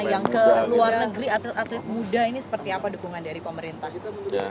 yang ke luar negeri atlet atlet muda ini seperti apa dukungan dari pemerintah